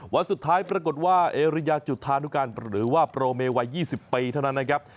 วันสุดท้ายปรากฏว่าเอริยาจุธานุการหรือว่าโปรเมวัย๒๐ปีเท่านั้นนะครับ